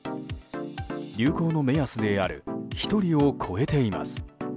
流行の目安である１人を超えています。